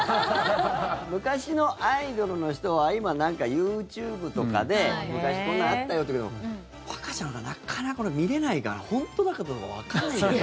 昔のアイドルの人は今、ＹｏｕＴｕｂｅとかで昔こんなのあったよっていうけど和歌ちゃんはなかなか見れないから本当だかどうかわからないんだよね。